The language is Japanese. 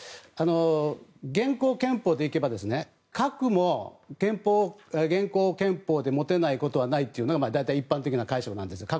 現行憲法でいけば核も現行憲法で持てないことはないというのが大体、一般的な解釈なんです。